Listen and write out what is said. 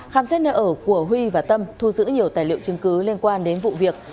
khám xét nơi ở của huy và tâm thu giữ nhiều tài liệu chứng cứ liên quan đến vụ việc